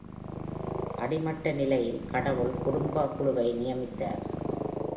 அடிமட்ட நிலையில் கடவுள் குடும்ப குழுவை நியமித்தார்.